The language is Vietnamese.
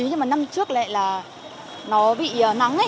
nhưng mà năm trước lại là nó bị nắng